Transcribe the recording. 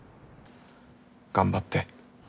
頑張って。